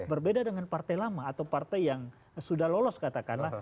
berbeda dengan partai lama atau partai yang sudah lolos katakanlah